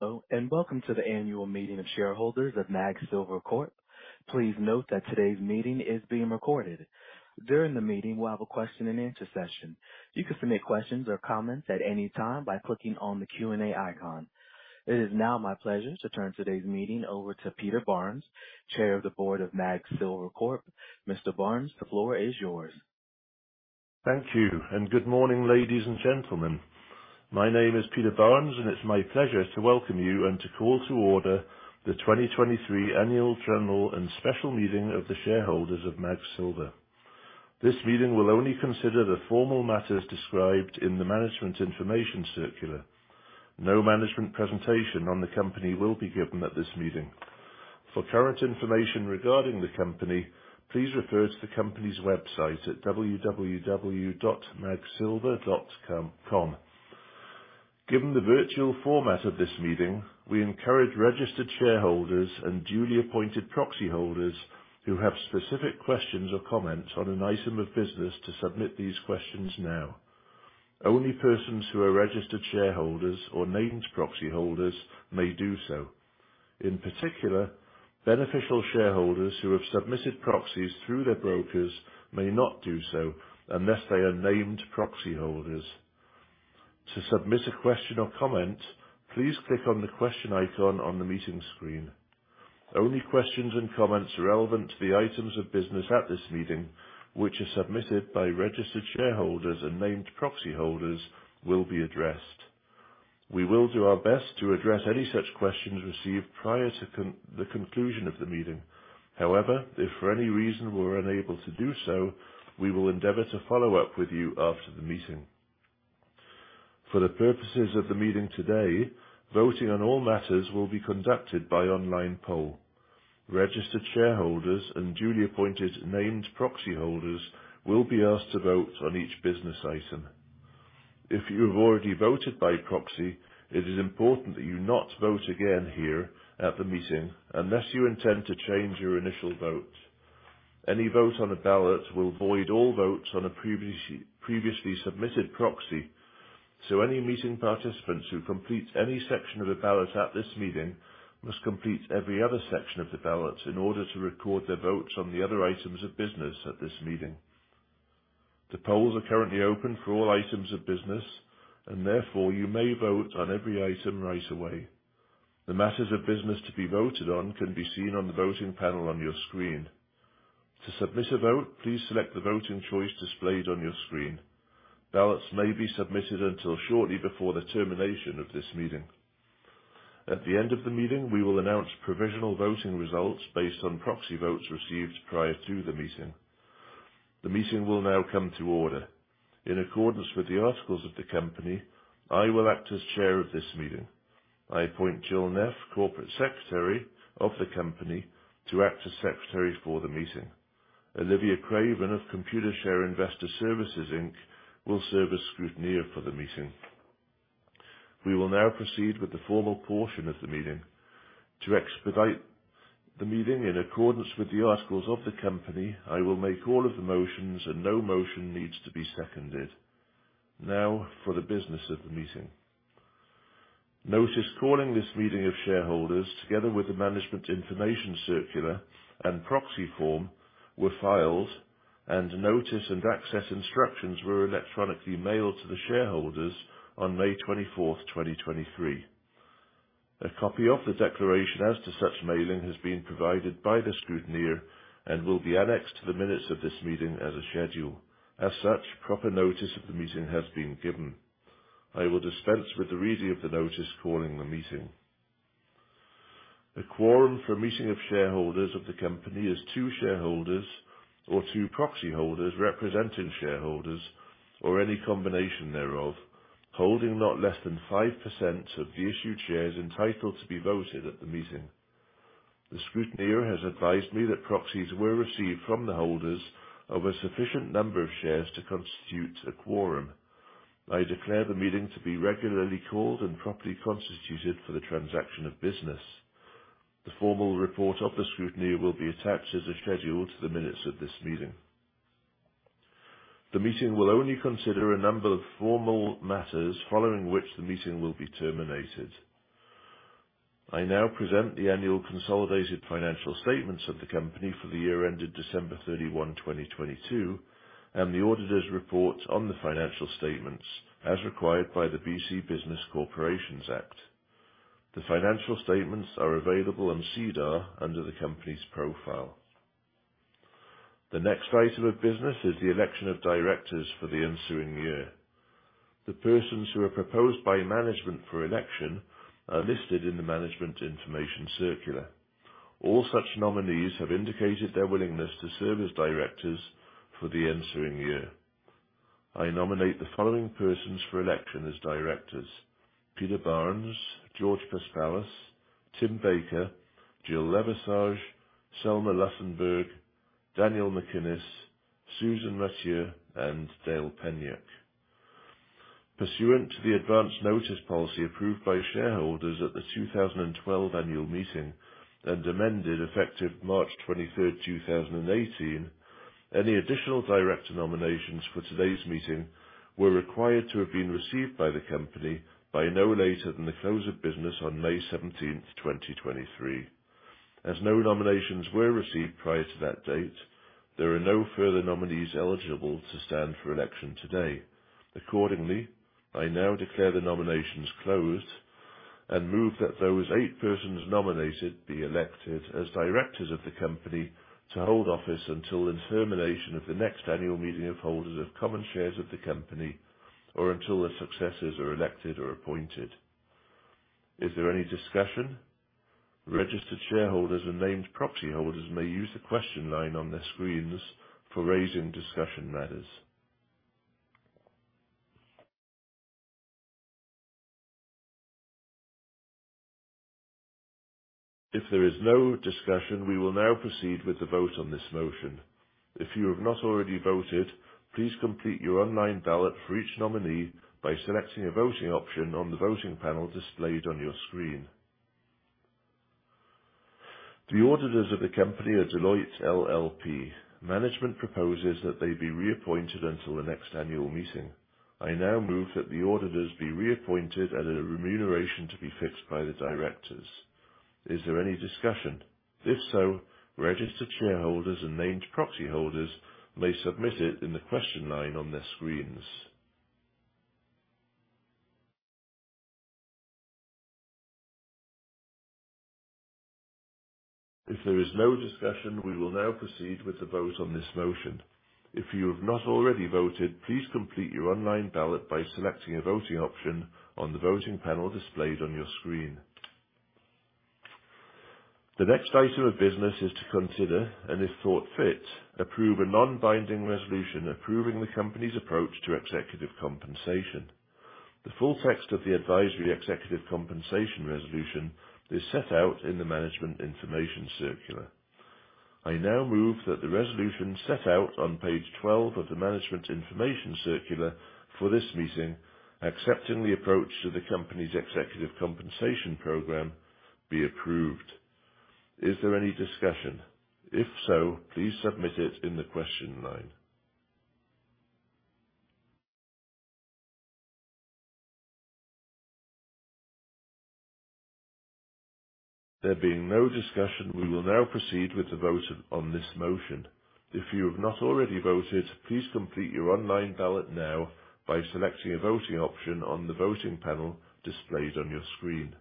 Hello, welcome to the annual meeting of shareholders of MAG Silver Corp. Please note that today's meeting is being recorded. During the meeting, we'll have a question and answer session. You can submit questions or comments at any time by clicking on the Q&A icon. It is now my pleasure to turn today's meeting over to Peter Barnes, Chair of the Board of MAG Silver Corp. Mr. Barnes, the floor is yours. Thank you. Good morning, ladies and gentlemen. My name is Peter Barnes, and it's my pleasure to welcome you and to call to order the 2023 Annual, General, and Special Meeting of the Shareholders of MAG Silver. This meeting will only consider the formal matters described in the management information circular. No management presentation on the company will be given at this meeting. For current information regarding the company, please refer to the company's website at www.magsilver.com. Given the virtual format of this meeting, we encourage registered shareholders and duly appointed proxyholders who have specific questions or comments on an item of business to submit these questions now. Only persons who are registered shareholders or named proxyholders may do so. In particular, beneficial shareholders who have submitted proxies through their brokers may not do so unless they are named proxyholders. To submit a question or comment, please click on the question icon on the meeting screen. Only questions and comments relevant to the items of business at this meeting, which are submitted by registered shareholders and named proxyholders, will be addressed. We will do our best to address any such questions received prior to the conclusion of the meeting. However, if for any reason we're unable to do so, we will endeavor to follow up with you after the meeting. For the purposes of the meeting today, voting on all matters will be conducted by online poll. Registered shareholders and duly appointed named proxyholders will be asked to vote on each business item. If you have already voted by proxy, it is important that you not vote again here at the meeting unless you intend to change your initial vote. Any vote on a ballot will void all votes on a previously submitted proxy. Any meeting participants who complete any section of a ballot at this meeting must complete every other section of the ballot in order to record their votes on the other items of business at this meeting. The polls are currently open for all items of business, and therefore you may vote on every item right away. The matters of business to be voted on can be seen on the voting panel on your screen. To submit a vote, please select the voting choice displayed on your screen. Ballots may be submitted until shortly before the termination of this meeting. At the end of the meeting, we will announce provisional voting results based on proxy votes received prior to the meeting. The meeting will now come to order. In accordance with the articles of the company, I will act as chair of this meeting. I appoint Jill Neff, Corporate Secretary of the company, to act as secretary for the meeting. Olivia Craven of Computershare Investor Services, Inc. will serve as scrutineer for the meeting. We will now proceed with the formal portion of the meeting. To expedite the meeting, in accordance with the articles of the company, I will make all of the motions, and no motion needs to be seconded. For the business of the meeting. Notice calling this meeting of shareholders, together with the management information circular and proxy form, were filed, and notice and access instructions were electronically mailed to the shareholders on May 24th, 2023. A copy of the declaration as to such mailing has been provided by the scrutineer and will be annexed to the minutes of this meeting as a schedule. As such, proper notice of the meeting has been given. I will dispense with the reading of the notice calling the meeting. A quorum for a meeting of shareholders of the company is two shareholders or two proxyholders representing shareholders or any combination thereof, holding not less than 5% of the issued shares entitled to be voted at the meeting. The scrutineer has advised me that proxies were received from the holders of a sufficient number of shares to constitute a quorum. I declare the meeting to be regularly called and properly constituted for the transaction of business. The formal report of the scrutineer will be attached as a schedule to the minutes of this meeting. The meeting will only consider a number of formal matters, following which the meeting will be terminated. I now present the annual consolidated financial statements of the company for the year ended December 31, 2022, and the auditor's report on the financial statements as required by the BC Business Corporations Act. The financial statements are available on SEDAR under the company's profile. The next item of business is the election of directors for the ensuing year. The persons who are proposed by management for election are listed in the management information circular. All such nominees have indicated their willingness to serve as directors for the ensuing year. I nominate the following persons for election as directors: Peter Barnes, George Paspalas, Tim Baker, Jill Leversage, Selma Lussenburg, Daniel MacInnis, Susan Mathieu, and Dale Peniuk. Pursuant to the Advance Notice Policy approved by shareholders at the 2012 annual meeting, and amended effective March 23rd, 2018, any additional director nominations for today's meeting were required to have been received by the company by no later than the close of business on May 17th, 2023. As no nominations were received prior to that date, there are no further nominees eligible to stand for election today. Accordingly, I now declare the nominations closed and move that those eight persons nominated be elected as directors of the company to hold office until the termination of the next annual meeting of holders of common shares of the company, or until their successors are elected or appointed. Is there any discussion? Registered shareholders and named proxy holders may use the question line on their screens for raising discussion matters. If there is no discussion, we will now proceed with the vote on this motion. If you have not already voted, please complete your online ballot for each nominee by selecting a voting option on the voting panel displayed on your screen. The auditors of the company are Deloitte LLP. Management proposes that they be reappointed until the next annual meeting. I now move that the auditors be reappointed at a remuneration to be fixed by the directors. Is there any discussion? If so, registered shareholders and named proxy holders may submit it in the question line on their screens. If there is no discussion, we will now proceed with the vote on this motion. If you have not already voted, please complete your online ballot by selecting a voting option on the voting panel displayed on your screen. The next item of business is to consider, and if thought fit, approve a non-binding resolution approving the company's approach to executive compensation. The full text of the advisory executive compensation resolution is set out in the management information circular. I now move that the resolution set out on page 12 of the management information circular for this meeting, accepting the approach to the company's executive compensation program, be approved. Is there any discussion? If so, please submit it in the question line. There being no discussion, we will now proceed with the vote on this motion. If you have not already voted, please complete your online ballot now by selecting a voting option on the voting panel displayed on your screen.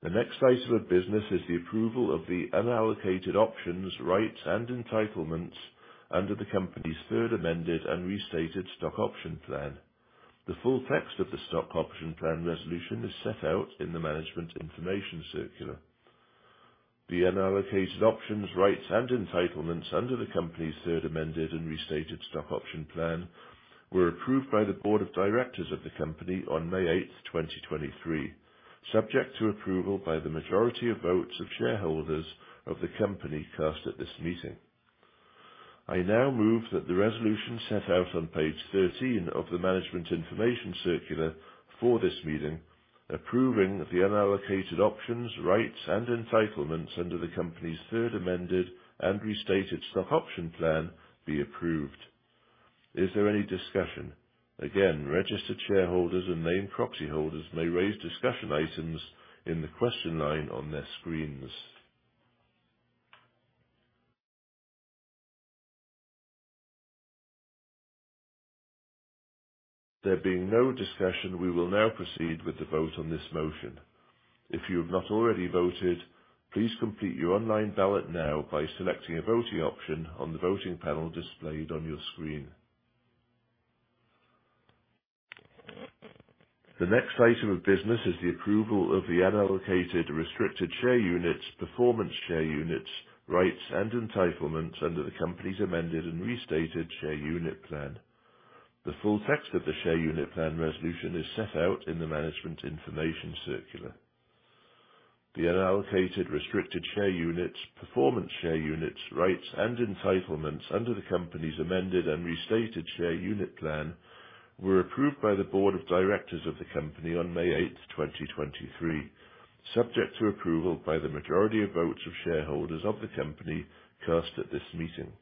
The next item of business is the approval of the unallocated options, rights, and entitlements under the company's third amended and restated stock option plan. The full text of the stock option plan resolution is set out in the management information circular. The unallocated options, rights, and entitlements under the company's third amended and restated stock option plan were approved by the board of directors of the company on May 8, 2023, subject to approval by the majority of votes of shareholders of the company cast at this meeting. I now move that the resolution set out on page 13 of the management information circular for this meeting, approving the unallocated options, rights, and entitlements under the company's third amended and restated stock option plan, be approved. Is there any discussion? Again, registered shareholders and named proxy holders may raise discussion items in the question line on their screens. There being no discussion, we will now proceed with the vote on this motion. If you have not already voted, please complete your online ballot now by selecting a voting option on the voting panel displayed on your screen. The next item of business is the approval of the unallocated restricted share units, performance share units, rights, and entitlements under the company's amended and restated share unit plan. The full text of the share unit plan resolution is set out in the management information circular. The unallocated restricted share units, performance share units, rights, and entitlements under the company's amended and restated share unit plan were approved by the board of directors of the company on May 8, 2023, subject to approval by the majority of votes of shareholders of the company cast at this meeting.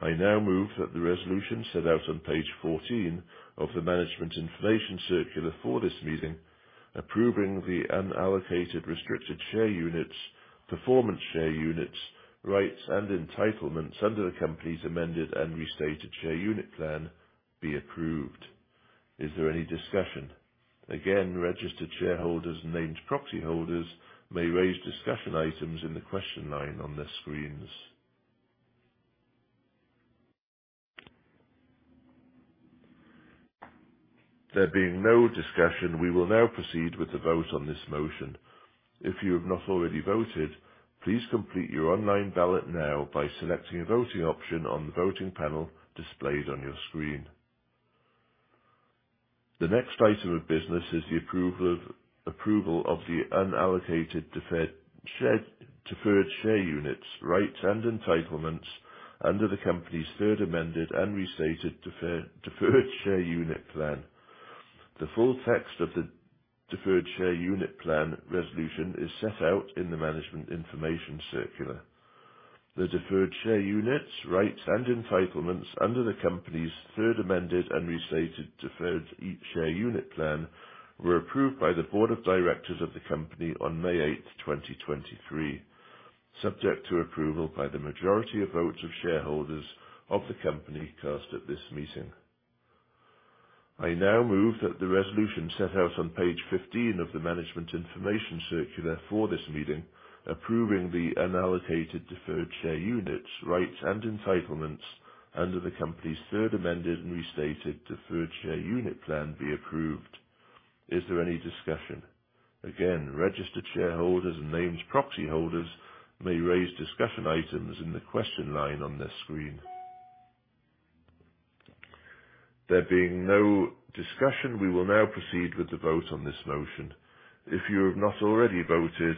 I now move that the resolution set out on page 14 of the management information circular for this meeting, approving the unallocated restricted share units, performance share units, rights, and entitlements under the company's amended and restated share unit plan, be approved. Is there any discussion? Again, registered shareholders and named proxy holders may raise discussion items in the question line on their screens. There being no discussion, we will now proceed with the vote on this motion. If you have not already voted, please complete your online ballot now by selecting a voting option on the voting panel displayed on your screen. The next item of business is the approval of the unallocated deferred share units, rights, and entitlements under the company's Third Amended and Restated Deferred Share Unit Plan. The full text of the Deferred Share Unit Plan resolution is set out in the management information circular. The Deferred Share Units rights and entitlements under the company's Third Amended and Restated Deferred Share Unit Plan were approved by the Board of Directors of the company on May 8, 2023, subject to approval by the majority of votes of shareholders of the company cast at this meeting. I now move that the resolution set out on page 15 of the management information circular for this meeting, approving the unallocated Deferred Share Units rights and entitlements under the company's Third Amended and Restated Deferred Share Unit Plan be approved. Is there any discussion? Again, registered shareholders and named proxy holders may raise discussion items in the question line on their screen. There being no discussion, we will now proceed with the vote on this motion. If you have not already voted,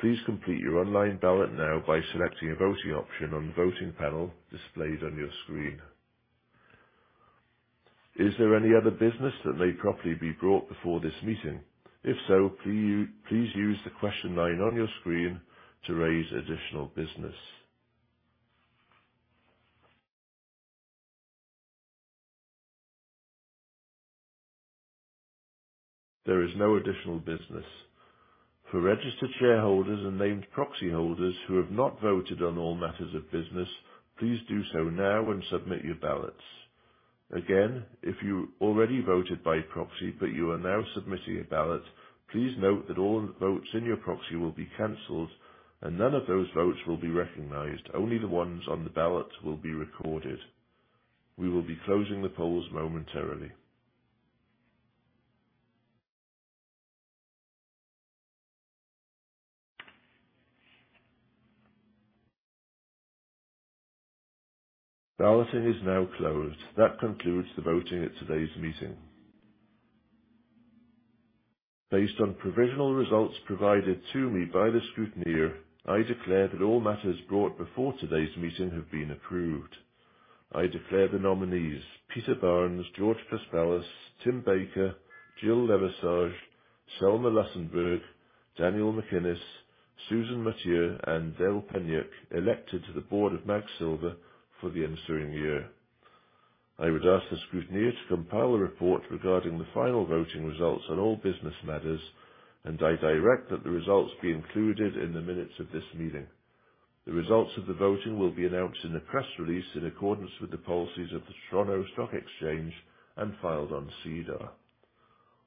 please complete your online ballot now by selecting a voting option on the voting panel displayed on your screen. Is there any other business that may properly be brought before this meeting? If so, please use the question line on your screen to raise additional business. There is no additional business. For registered shareholders and named proxy holders who have not voted on all matters of business, please do so now and submit your ballots. If you already voted by proxy, but you are now submitting a ballot, please note that all votes in your proxy will be canceled and none of those votes will be recognized. Only the ones on the ballot will be recorded. We will be closing the polls momentarily. Balloting is now closed. That concludes the voting at today's meeting. Based on provisional results provided to me by the scrutineer, I declare that all matters brought before today's meeting have been approved. I declare the nominees, Peter Barnes, George Paspalas, Tim Baker, Jill Leversage, Selma Lussenburg, Daniel MacInnis, Susan Mathieu, and Dale Peniuk, elected to the board of MAG Silver for the ensuing year. I would ask the scrutineer to compile a report regarding the final voting results on all business matters, and I direct that the results be included in the minutes of this meeting. The results of the voting will be announced in a press release in accordance with the policies of the Toronto Stock Exchange and filed on SEDAR.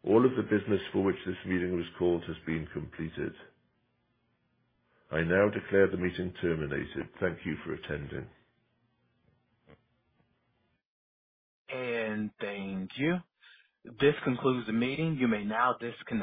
All of the business for which this meeting was called has been completed. I now declare the meeting terminated. Thank you for attending. Thank you. This concludes the meeting. You may now disconnect.